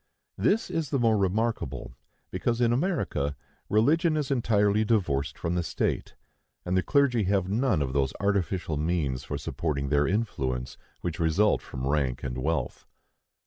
This is the more remarkable, because in America religion is entirely divorced from the state, and the clergy have none of those artificial means for supporting their influence which result from rank and wealth.